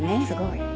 すごい。